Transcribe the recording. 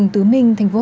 thì sẽ về